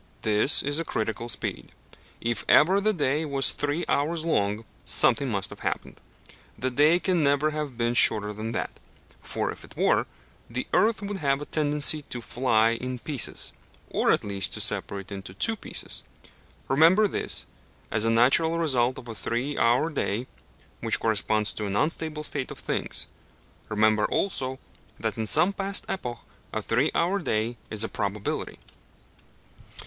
This is a critical speed. If ever the day was three hours long, something must have happened. The day can never have been shorter than that; for if it were, the earth would have a tendency to fly in pieces, or, at least, to separate into two pieces. Remember this, as a natural result of a three hour day, which corresponds to an unstable state of things; remember also that in some past epoch a three hour day is a probability.